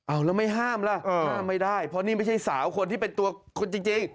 เอาแล้วไม่ห้ามล่ะห้ามไม่ได้เพราะนี่ไม่ใช่สาวคนที่เป็นตัวคนจริง